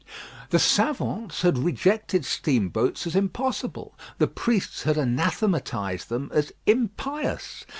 The savants had rejected steamboats as impossible; the priests had anathematised them as impious.